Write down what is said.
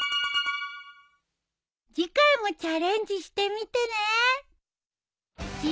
次回もチャレンジしてみてね。